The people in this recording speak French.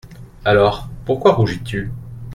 Alors, pourquoi rougis-tu ?